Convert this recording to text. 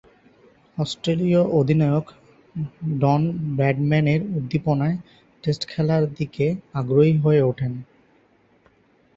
অস্ট্রেলীয় অধিনায়ক ডন ব্র্যাডম্যানের উদ্দীপনায় টেস্ট খেলার দিকে আগ্রহী হয়ে উঠেন।